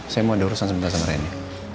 saya mau ada urusan sebentar sama reni